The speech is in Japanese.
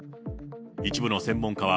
一部の専門家は、